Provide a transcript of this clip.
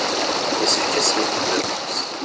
yessefk ad s-yeddem afus.